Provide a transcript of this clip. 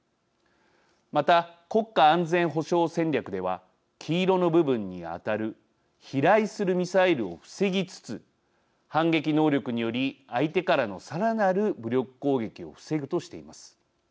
また、国家安全保障戦略では黄色の部分に当たる飛来するミサイルを防ぎつつ反撃能力により相手からのさらなる武力攻撃を防ぐとしています。